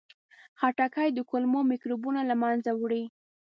خټکی د کولمو میکروبونه له منځه وړي.